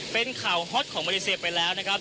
เป็นข่าวฮอตของมาเลเซียไปแล้วนะครับ